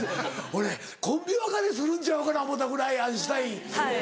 俺コンビ別れするんちゃうかな思うたぐらいアインシュタイン。